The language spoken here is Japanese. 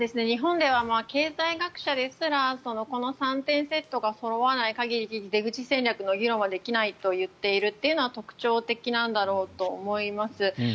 日本では経済学者ですらこの３点セットがそろわない限り出口戦略の議論はできないと言っているというのが特徴的なんだと思います。